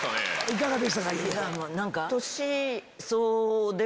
いかがでしたか？